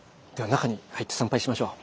中に入って参拝しましょう。